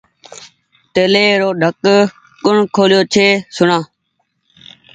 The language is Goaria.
تيليرو ڍڪ ڪوٚڻ کوليو ڇي سوڻآ